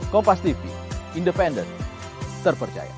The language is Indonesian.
kompas tv independen terpercaya